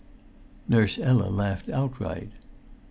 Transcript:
Nurse Ella laughed outright.